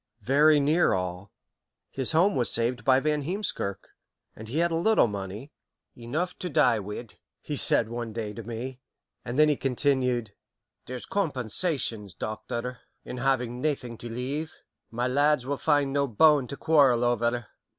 "Very near all. His home was saved by Van Heemskirk, and he had a little money 'enough to die wi'' he said one day to me; and then he continued, 'there's compensations, Doctor, in having naething to leave. My lads will find no bone to quarrel over.'